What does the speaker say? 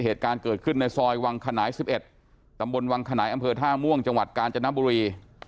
เหตุการณ์เกิดขึ้นในซอยวังขนาย๑๑ตำบลวังขนายอำเภอท่าม่วงจังหวัดกาญจนบุรี